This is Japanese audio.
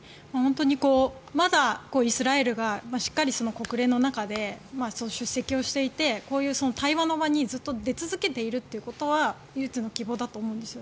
まだイスラエルが国連の中で出席していてこういう対話の場にずっと出続けていることは唯一の希望だと思うんです。